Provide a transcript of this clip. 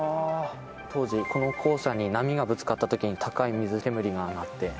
当時、この校舎に波がぶつかったときに、高い水煙が上がって。